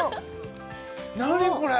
何これ？